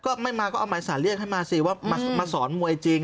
ก็ไม่มาก็เอาหมายสารเรียกให้มาสิว่ามาสอนมวยจริง